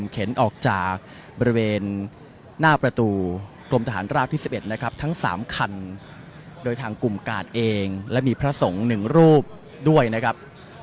เข็นออกจากบริเวณหน้าประตูกรมทหารราบที่๑๑นะครับทั้ง๓คันโดยทางกลุ่มกาดเองและมีพระสงฆ์๑รูปด้วยนะครับ